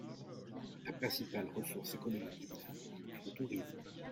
La principale ressource économique du village est le tourisme.